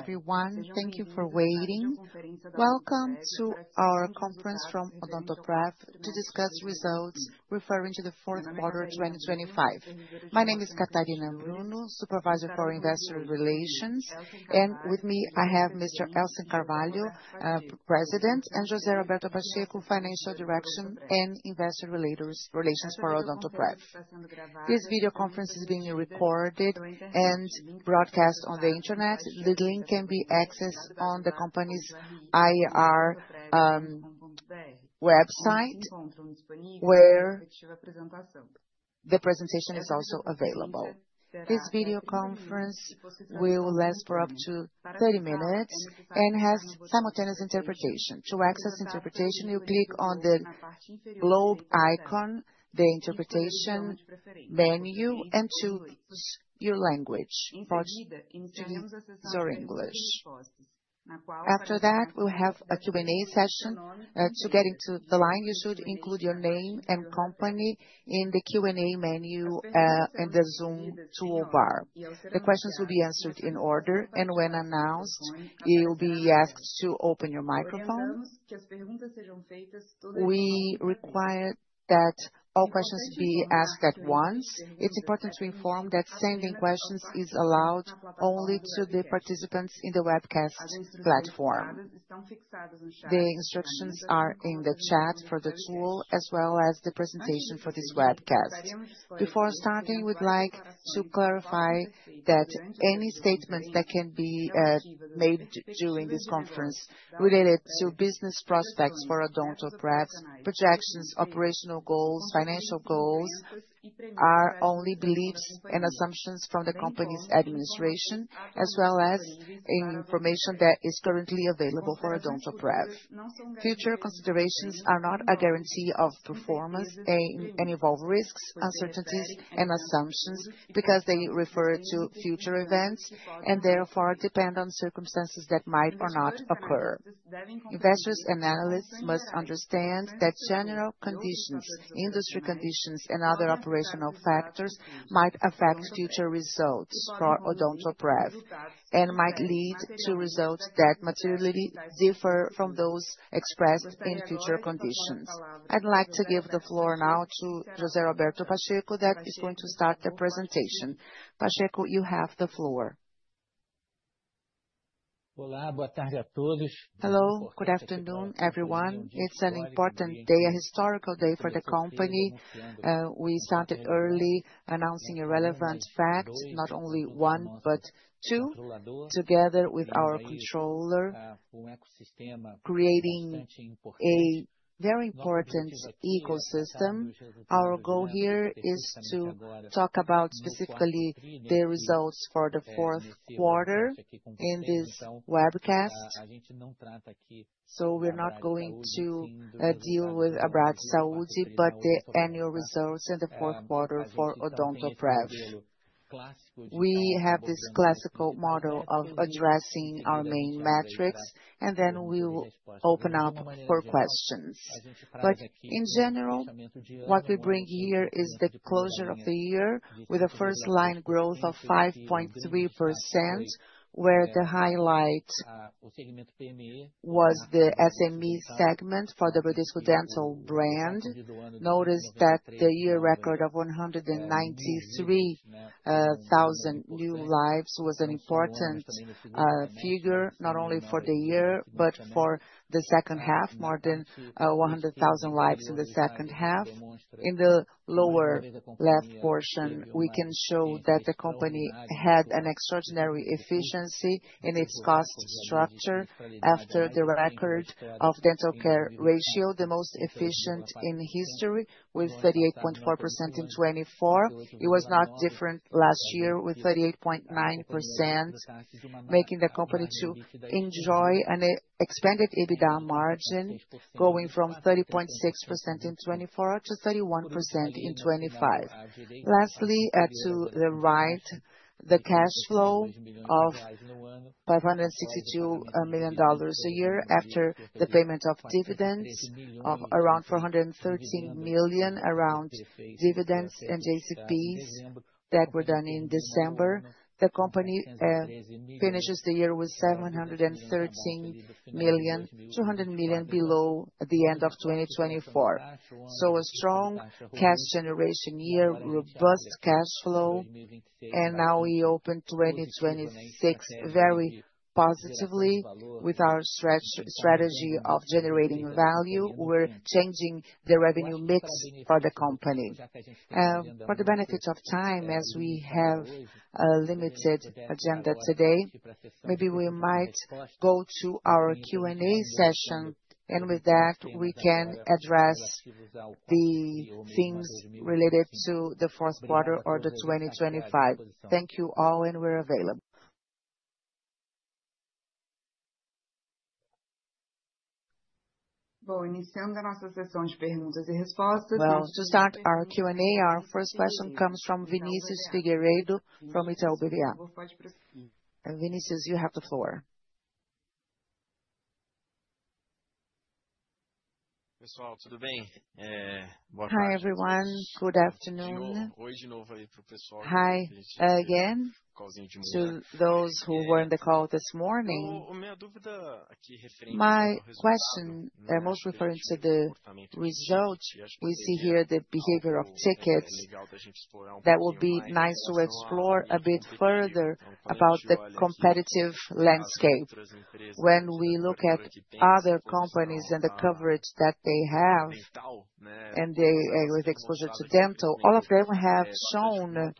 Everyone, thank you for waiting. Welcome to our conference from Odontoprev to discuss results referring to the 4th quarter of 2025. My name is Catarina Bruno, supervisor for investor relations. With me, I have Mr. Elsen Carvalho, president, and José Roberto Pacheco, financial direction and investor relations for Odontoprev. This video conference is being recorded and broadcast on the Internet. The link can be accessed on the company's IR website, where the presentation is also available. This video conference will last for up to 30 minutes and has simultaneous interpretation. To access interpretation, you click on the globe icon, the interpretation menu, and choose your language, Portuguese or English. After that, we'll have a Q&A session. To get into the line, you should include your name and company in the Q&A menu, in the Zoom toolbar. The questions will be answered in order. When announced, you'll be asked to open your microphone. We require that all questions be asked at once. It's important to inform that sending questions is allowed only to the participants in the webcast platform. The instructions are in the chat for the tool as well as the presentation for this webcast. Before starting, we'd like to clarify that any statements that can be made during this conference related to business prospects for Odontoprev, projections, operational goals, financial goals, are only beliefs and assumptions from the company's administration, as well as any information that is currently available for Odontoprev. Future considerations are not a guarantee of performance and involve risks, uncertainties, and assumptions because they refer to future events and therefore depend on circumstances that might or not occur. Investors and analysts must understand that general conditions, industry conditions, and other operational factors might affect future results for Odontoprev and might lead to results that materially differ from those expressed in future conditions. I'd like to give the floor now to José Roberto Pacheco that is going to start the presentation. Pacheco, you have the floor. Hello, good afternoon, everyone. It's an important day, a historical day for the company. We started early announcing a relevant fact, not only one but two, together with our controller, creating a very important ecosystem. Our goal here is to talk about specifically the results for the fourth quarter in this webcast. We're not going to deal with Abrasaúde, but the annual results in the fourth quarter for Odontoprev. We have this classical model of addressing our main metrics, and then we'll open up for questions. In general, what we bring here is the closure of the year with a first line growth of 5.3%, where the highlight was the SME segment for the Bradesco Dental brand. Notice that the year record of 193,000 new lives was an important figure, not only for the year but for the second half, more than 100,000 lives in the second half. In the lower left portion, we can show that the company had an extraordinary efficiency in its cost structure after the record of dental care ratio, the most efficient in history, with 38.4% in 2024. It was not different last year with 38.9%, making the company to enjoy an expanded EBITDA margin, going from 30.6% in 2024 to 31% in 2025. Lastly, to the right, the cash flow of BRL 562 million a year after the payment of dividends of around 413 million around dividends and JCPs that were done in December. The company finishes the year with 713 million, 200 million below the end of 2024. A strong cash generation year, robust cash flow, and now we open 2026 very positively with our strategy of generating value. We're changing the revenue mix for the company. For the benefit of time, as we have a limited agenda today, maybe we might go to our Q&A session, and with that, we can address the things related to the fourth quarter or the 2025. Thank you all, and we're available. To start our Q&A, our first question comes from Vinicius Figueiredo from Itaú BBA. Vinicius, you have the floor Hi, everyone. Good afternoon. Hi again to those who were in the call this morning. My question, most referring to the results, we see here the behavior of tickets that will be nice to explore a bit further about the competitive landscape. When we look at other companies and the coverage that they have, and they, with exposure to dental, all of them have shown,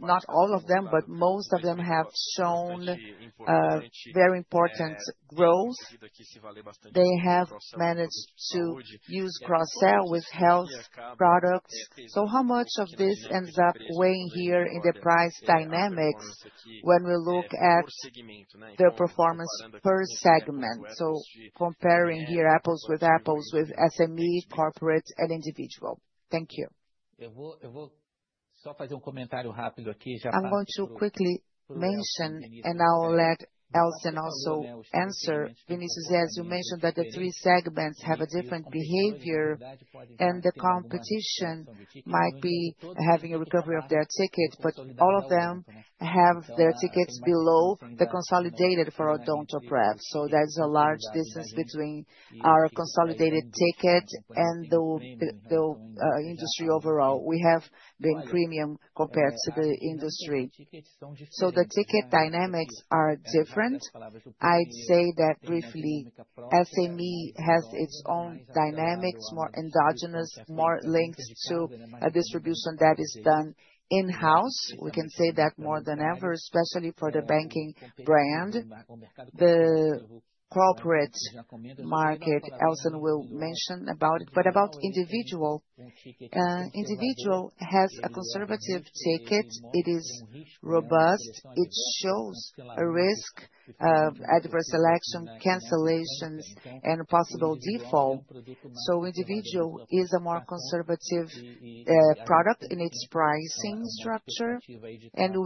not all of them, but most of them have shown, very important growth. They have managed to use cross-sell with health products. How much of this ends up weighing here in the price dynamics when we look at the performance per segment? Comparing here apples with apples, with SME, corporate, and individual. Thank you. I want to quickly mention, I'll let Elsen also answer. Vinicius, as you mentioned that the three segments have a different behavior, the competition might be having a recovery of their ticket, all of them have their tickets below the consolidated for Odontoprev. There's a large business between our consolidated ticket and the industry overall. We have been premium compared to the industry. The ticket dynamics are different. I'd say that briefly, SME has its own dynamics, more endogenous, more linked to a distribution that is done in-house. We can say that more than ever, especially for the banking brand. The corporate market, Elsen will mention about it. About individual has a conservative ticket. It is robust. It shows a risk of adverse selection, cancellations, and possible default. Individual is a more conservative product in its pricing structure. When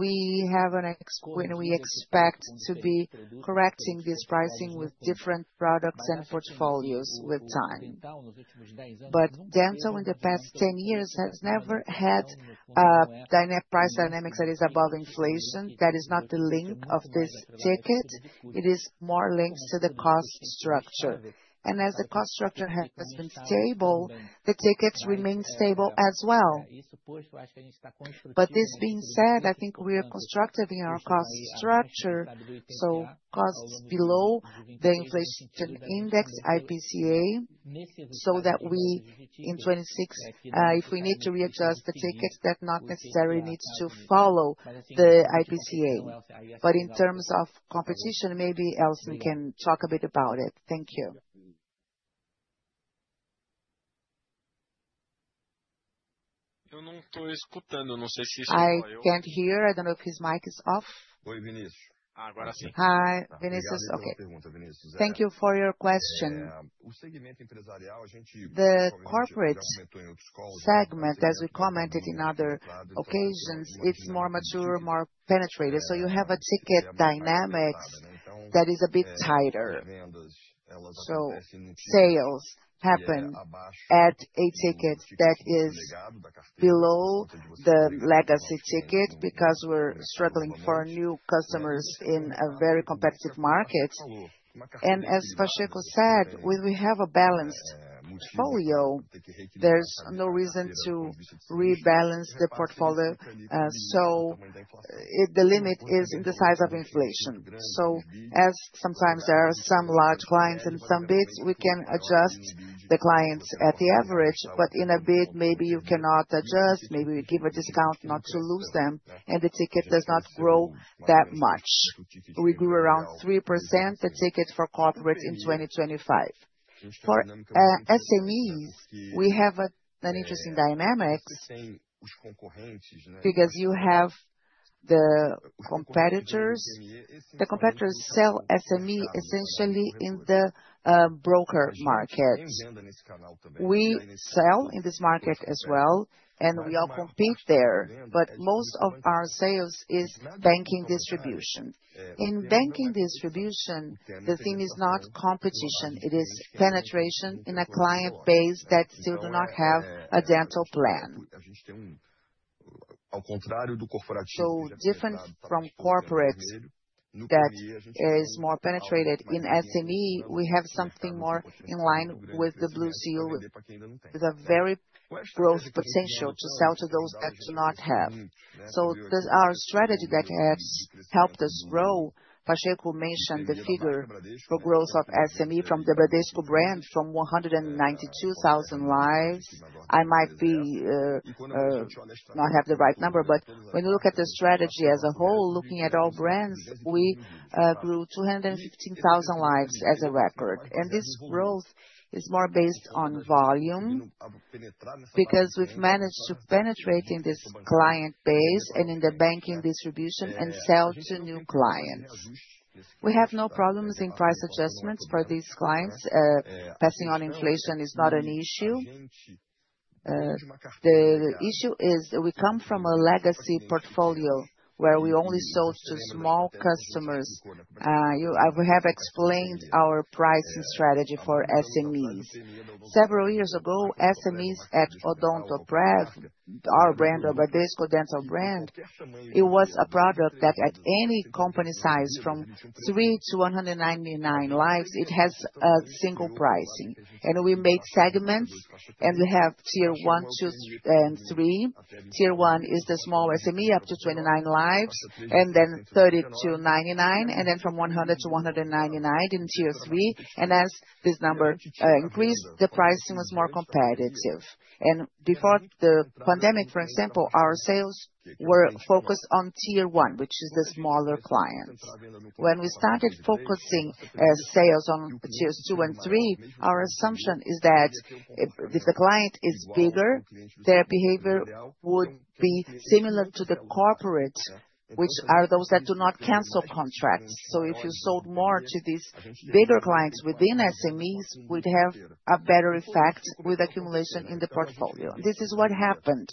we expect to be correcting this pricing with different products and portfolios with time. Dental in the past 10 years has never had price dynamics that is above inflation. That is not the link of this ticket. It is more linked to the cost structure. As the cost structure has been stable, the tickets remain stable as well. This being said, I think we are constructive in our cost structure, so costs below the inflation index, IPCA, so that we, in 2026, if we need to readjust the tickets, that not necessarily needs to follow the IPCA. In terms of competition, maybe Elsen can talk a bit about it. Thank you. I can't hear. I don't know if his mic is off. Hi, Vinicius. Okay. Thank you for your question. The corporate segment, as we commented in other occasions, it's more mature, more penetrated. You have a ticket dynamic that is a bit tighter. Sales happen at a ticket that is below the legacy ticket because we're struggling for new customers in a very competitive market. As Pacheco said, when we have a balanced folio, there's no reason to rebalance the portfolio. If the limit is in the size of inflation. As sometimes there are some large clients and some bids, we can adjust the clients at the average. In a bid, maybe you cannot adjust, maybe you give a discount not to lose them, and the ticket does not grow that much. We grew around 3% the tickets for corporate in 2025. For SMEs, we have an interesting dynamics because you have the competitors. The competitors sell SME essentially in the broker market. We sell in this market as well, and we all compete there, but most of our sales is banking distribution. In banking distribution, the thing is not competition, it is penetration in a client base that still do not have a dental plan. Different from corporate that is more penetrated. In SME, we have something more in line with the blue seal, with a very growth potential to sell to those that do not have. There's our strategy that has helped us grow. Pacheco mentioned the figure for growth of SME from the Bradesco brand from 192,000 lives. I might be not have the right number, but when you look at the strategy as a whole, looking at all brands, we grew 215,000 lives as a record. This growth is more based on volume because we've managed to penetrate in this client base and in the banking distribution and sell to new clients. We have no problems in price adjustments for these clients. Passing on inflation is not an issue. The issue is we come from a legacy portfolio where we only sold to small customers. I have explained our pricing strategy for SMEs. Several years ago, SMEs at Odontoprev, our brand of Bradesco Dental brand, it was a product that at any company size from 3 to 199 lives, it has a single pricing. We made segments, and we have Tier 1, two and three. Tier 1 is the small SME, up to 29 lives, and then 30 to 99, and then from 100 to 199 in Tier 3. As this number increased, the pricing was more competitive. Before the pandemic, for example, our sales were focused on Tier 1, which is the smaller clients. When we started focusing sales on tiers two and three, our assumption is that if the client is bigger, their behavior would be similar to the corporate, which are those that do not cancel contracts. If you sold more to these bigger clients within SMEs, we'd have a better effect with accumulation in the portfolio. This is what happened.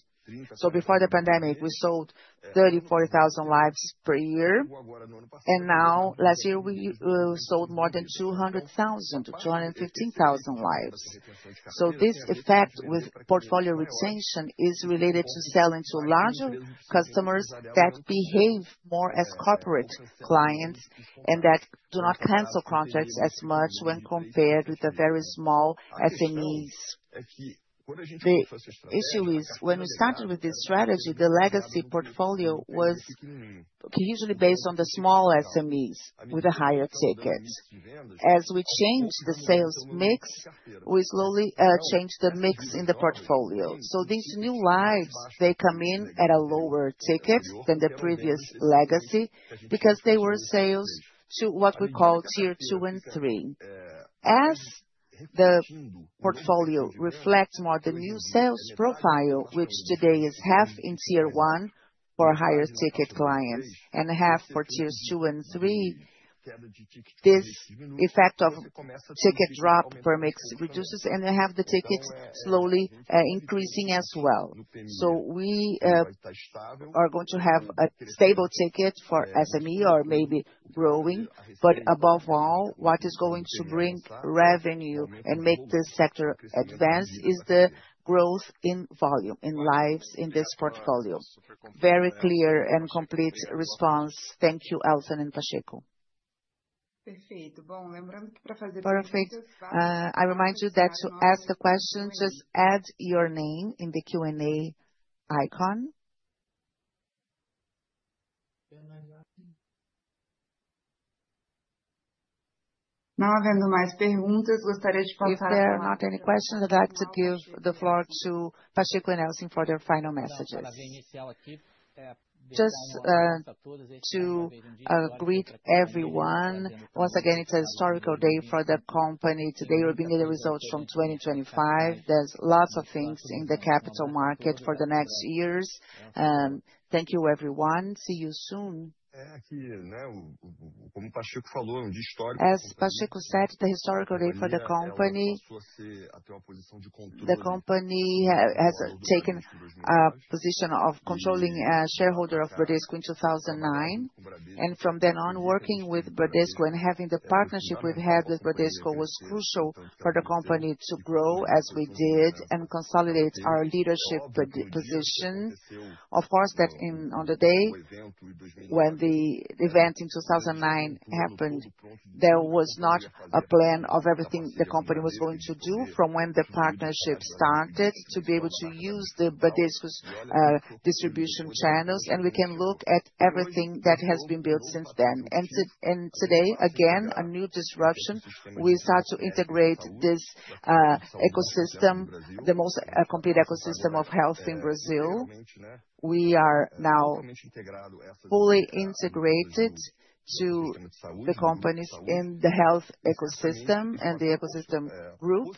Before the pandemic, we sold 30, 40 thousand lives per year. Now last year we sold more than 200,000-215,000 lives. This effect with portfolio retention is related to selling to larger customers that behave more as corporate clients and that do not cancel contracts as much when compared with the very small SMEs. The issue is when we started with this strategy, the legacy portfolio was usually based on the small SMEs with a higher ticket. As we changed the sales mix, we slowly changed the mix in the portfolio. These new lives, they come in at a lower ticket than the previous legacy because they were sales to what we call Tier 2 and 3. As the portfolio reflects more the new sales profile, which today is half in Tier 1 for higher ticket clients and half for tiers 2 and 3, this effect of ticket drop for mix reduces, and we have the tickets slowly increasing as well. We are going to have a stable ticket for SME or maybe growing. Above all, what is going to bring revenue and make this sector advance is the growth in volume, in lives in this portfolio. Very clear and complete response. Thank you, Elsen and Pacheco. Perfect. I remind you that to ask the question, just add your name in the Q&A icon. If there are not any questions, I'd like to give the floor to Pacheco and Elsen for their final messages. Just to greet everyone. Once again, it's a historical day for the company. Today, we're bringing the results from 2025. There's lots of things in the capital market for the next years. Thank you everyone. See you soon. As Pacheco said, the historical day for the company. The company has taken a position of controlling a shareholder of Bradesco in 2009. From then on, working with Bradesco and having the partnership we've had with Bradesco was crucial for the company to grow as we did and consolidate our leadership position. Of course, that on the day when the event in 2009 happened, there was not a plan of everything the company was going to do from when the partnership started to be able to use the Bradesco's distribution channels, and we can look at everything that has been built since then. Today, again, a new disruption. We start to integrate this ecosystem, the most complete ecosystem of health in Brazil. We are now fully integrated to the companies in the health ecosystem and the ecosystem group.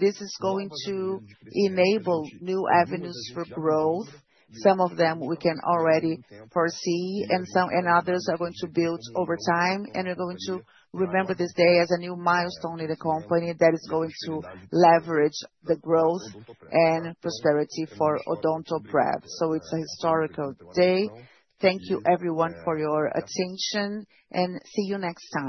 This is going to enable new avenues for growth. Some of them we can already foresee. Others are going to build over time. We're going to remember this day as a new milestone in the company that is going to leverage the growth and prosperity for Odontoprev. It's a historical day. Thank you everyone for your attention. See you next time.